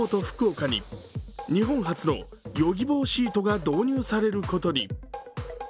福岡に日本初のヨギボーシートが導入されることに。